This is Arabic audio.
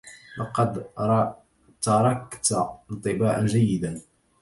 لقد تركت انطباعاً جيداً.